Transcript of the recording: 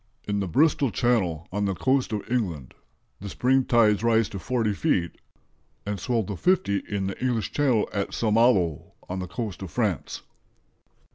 In the Bristol Channel, on the coast of England, the spring tides rise to 40 feet, and swell to 50 in the English Channel at St. Malo on the coast of France."